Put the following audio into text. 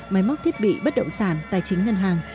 máy móc thiết bị bất động sản tài chính ngân hàng